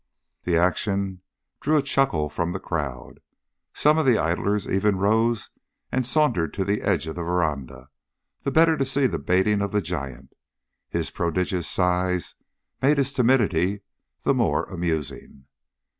The action drew a chuckle from the crowd. Some of the idlers even rose and sauntered to the edge of the veranda, the better to see the baiting of the giant. His prodigious size made his timidity the more amusing.